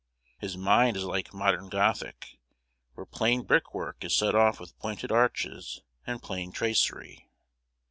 His mind is like modern Gothic, where plain brick work is set off with pointed arches and plain tracery.